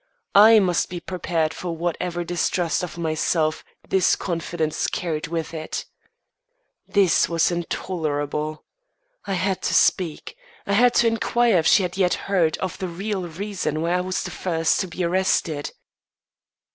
I must be prepared for whatever distrust of myself this confidence carried with it. This was intolerable. I had to speak; I had to inquire if she had yet heard the real reason why I was the first to be arrested.